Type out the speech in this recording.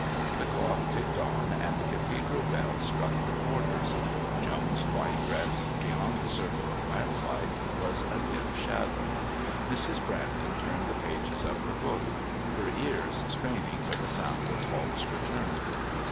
The clock ticked on and the Cathedral bells struck the quarters. Joan's white dress, beyond the circle of lamp light was a dim shadow. Mrs. Brandon turned the pages of her book, her ears straining for the sound of Falk's return.